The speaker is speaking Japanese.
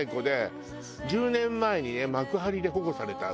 １０年前にね幕張で保護された子なんだって。